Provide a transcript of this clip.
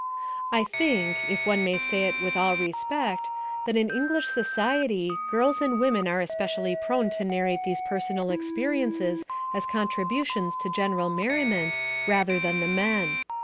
I think if one may say it with all respect that in English society girls and women are especially prone to narrate these personal experiences as contributions to general merriment rather than the men.